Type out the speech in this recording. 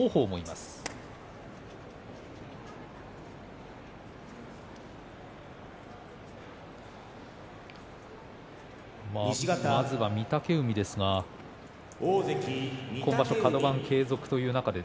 まずは御嶽海ですが今場所カド番継続という中で。